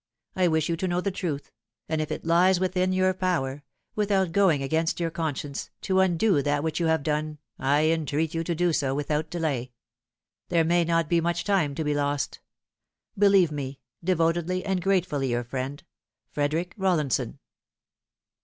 I wish you to know the truth ; and if it lies within your power without going against your conscience to undo that which you have done, I entreat you to do so without delay. There may not be much time to be lost. Believe me, devotedly and grate fully your friend, FREDERICK BOLLINSON."